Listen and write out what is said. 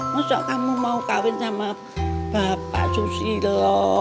masa kamu mau kawin sama bapak susilo